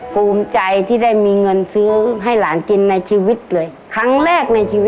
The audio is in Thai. กินกันเฮฮากินกันสนุกไปเลย